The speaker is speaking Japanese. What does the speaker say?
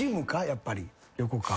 やっぱり横川君。